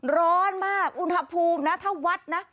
ร้อนมากอุณหภูมินะถ้าวัดนะ